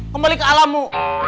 kembali ke alamu